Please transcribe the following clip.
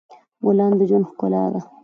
ګلان د ژوند ښکلا ده.